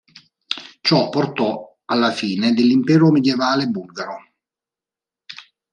Ciò porto alla fine dell'impero medievale bulgaro.